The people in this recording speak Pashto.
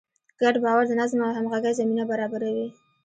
ګډ باور د نظم او همغږۍ زمینه برابروي.